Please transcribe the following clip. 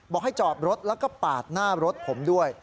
บอกให้จอดรถแล้วก็ปาดหน้ารถผมด้วย